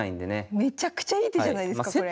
めちゃくちゃいい手じゃないですかこれ。